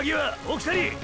奥谷！！